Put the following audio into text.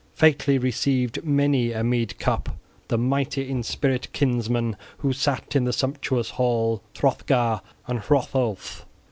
Featly received many a mead cup the mighty in spirit, kinsmen who sat in the sumptuous hall, Hrothgar and Hrothulf.